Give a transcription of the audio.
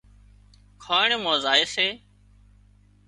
کاڻ مان زائي سي